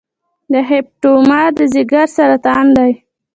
د هیپاټوما د ځګر سرطان دی.